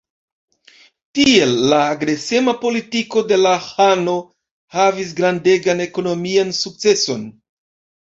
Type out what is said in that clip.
Tiel la agresema politiko de la ĥano havis grandegan ekonomian sukceson.